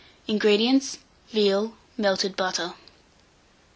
INGREDIENTS. Veal; melted butter.